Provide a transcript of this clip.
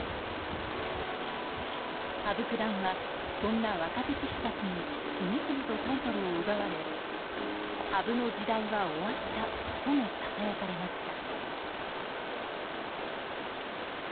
羽生九段はそんな若手棋士たちに次々とタイトルを奪われ羽生の時代は終わったともささやかれました。